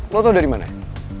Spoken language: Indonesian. lo tau dari mana ya